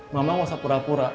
mama nggak usah pura pura